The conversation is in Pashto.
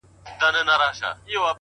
o چي سر دي درد نه کوي، داغ مه پر ايږده.